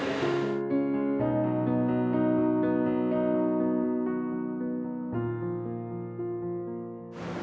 ini bu dewi